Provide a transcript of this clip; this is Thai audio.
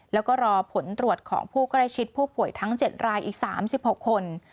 แล้วก็รอผลตรวจของผู้ใกล้ชิดผู้ป่วยทั้ง๗รายอีก๓๖คน